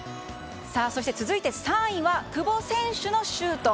そして、続いて３位は久保選手のシュート。